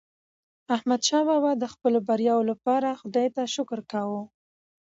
احمدشاه بابا د خپلو بریاوو لپاره خداي ته شکر کاوه.